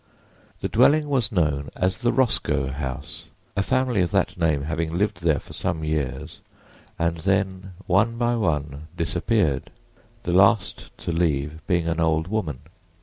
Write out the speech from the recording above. The dwelling was known as the Roscoe house, a family of that name having lived there for some years, and then, one by one, disappeared, the last to leave being an old woman.